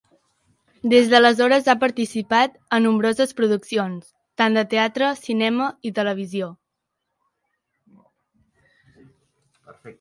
Des d'aleshores ha participat a nombroses produccions, tant de teatre, cinema i televisió.